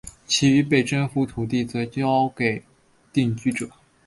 其余的被征服土地则被交给定居者。